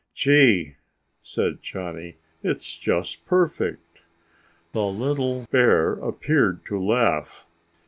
"Gee," said Johnny, "it's just perfect." The little bear appeared to laugh.